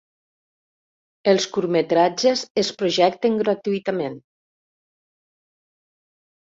Els curtmetratges es projecten gratuïtament.